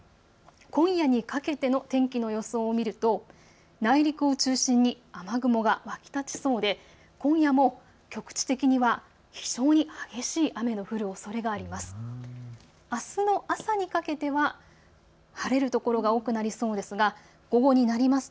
今夜にかけての天気の予想を見ると内陸を中心に雨雲が湧き立ちそうで今夜も局地的には非常に激しい雨の降るおそれがあります。